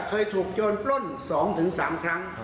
เคยถูกโจรปล้น๒๓ครั้ง